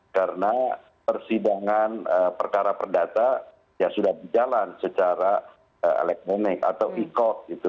karena persidangan perkara perdata sudah dijalankan secara elektronik atau e court